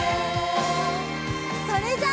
それじゃあ。